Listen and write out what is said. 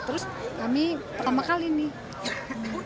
terus kami pertama kali nih